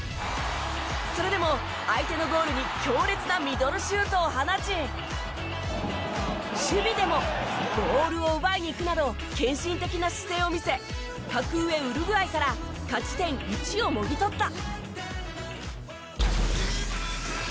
それでも、相手のゴールに強烈なミドルシュートを放ち守備でもボールを奪いにいくなど献身的な姿勢を見せ格上ウルグアイから勝ち点１をもぎ取った。